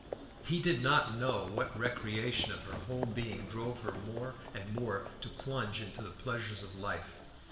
He did not know what recreation of her whole being drove her more and more to plunge into the pleasures of life.